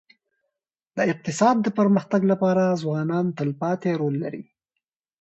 د اقتصاد د پرمختګ لپاره ځوانان تلپاتي رول لري.